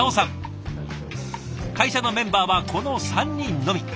会社のメンバーはこの３人のみ。